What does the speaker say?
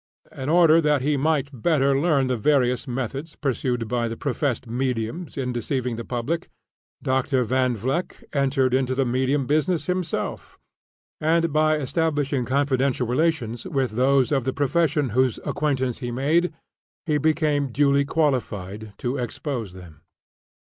In order that he might the better learn the various methods pursued by the professed "mediums" in deceiving the public, Dr. Van Vleck entered into the medium business himself, and by establishing confidential relations with those of the profession whose acquaintance he made, he became duly qualified to expose them.